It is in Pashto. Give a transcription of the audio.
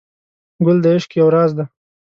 ګل د عشق یو راز دی.